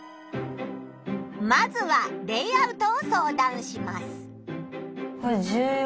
まずはレイアウトを相談します。